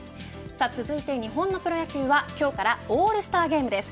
続いて日本のプロ野球は今日からオールスターゲームです。